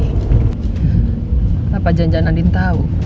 kenapa jangan jangan andien tau